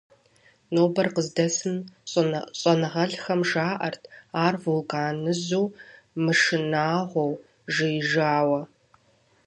Нобэр къыздэсым щӏэныгъэлӏхэм жаӏэрт ар вулканыжьу, мышынагъуэу, «жеижауэ».